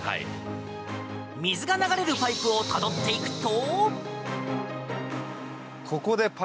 水が流れるパイプをたどっていくと。